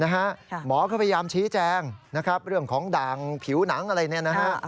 หมอก็พยายามชี้แจงเรื่องของด่างผิวหนังอะไรแน่